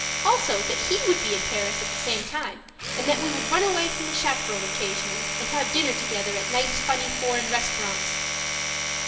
Also, that he would be in Paris at the same time, and that we would run away from the chaperon occasionally and have dinner together at nice, funny, foreign restaurants.